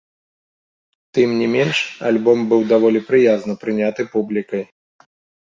Тым не менш, альбом быў даволі прыязна прыняты публікай.